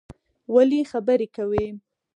ولی خبری کوی